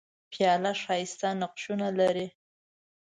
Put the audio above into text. پیاله ښايسته نقشونه لري.